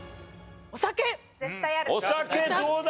お酒どうだ？